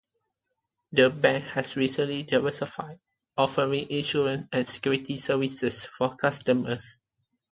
The bank has recently diversified, offering insurance and securities services for customers.